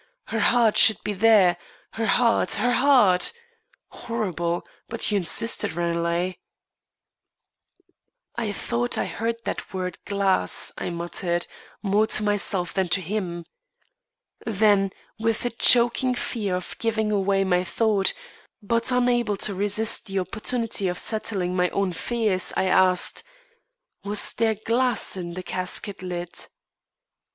Her heart should be there her heart her heart! Horrible! but you insisted, Ranelagh." "I thought I heard that word glass," I muttered, more to myself than to him. Then, with a choking fear of giving away my thought, but unable to resist the opportunity of settling my own fears, I asked: "Was there glass in the casket lid?"